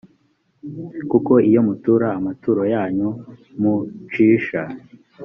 kuko iyo mutura amaturo yanyu mucisha